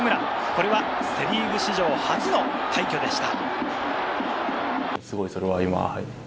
これはセ・リーグ史上初の快挙でした。